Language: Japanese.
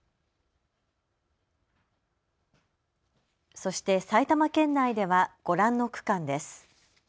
そして埼玉県内ではご覧の区間です。